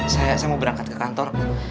saya mau berangkat ke kantor